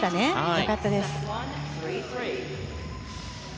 良かったです。